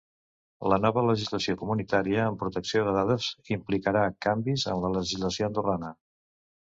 La nova legislació comunitària en protecció de dades implicarà canvis en la legislació andorrana.